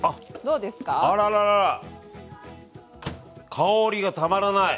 香りがたまらない。